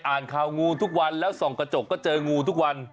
อ่านข่าวงูทุกวันแล้วส่องกระจกก็เจองูทุกวัน